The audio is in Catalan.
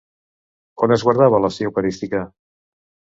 On es guardava l'hòstia eucarística?